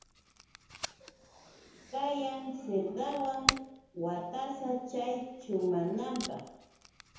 Kayan sirdawan watasa chay chumananpaq.